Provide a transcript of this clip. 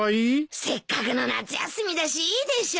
せっかくの夏休みだしいいでしょ？